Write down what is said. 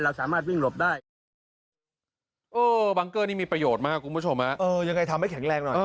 เออยังไงทำให้แข็งแรงหน่อย